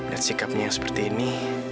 dan sikapnya yang seperti ini